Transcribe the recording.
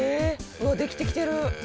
うわっできてきてる！